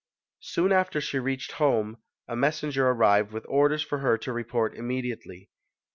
Soon after she reached home, a messenger ar rived with orders for her to report immediately.